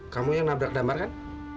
kamu yang nabrak damar kan